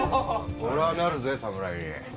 俺ぁなるぜ侍に。